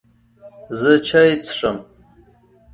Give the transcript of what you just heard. زه چای څښم